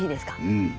うん。